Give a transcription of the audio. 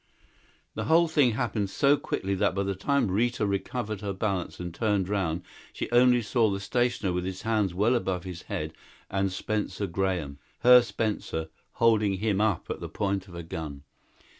The whole thing happened so quickly that by the time Rita recovered her balance and turned around she only saw the stationer with his hands well above his head and Spencer Graham her Spencer holding him up at the point of a gun.